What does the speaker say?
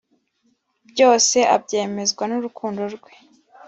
Byose abyemezwa nururukundo rwe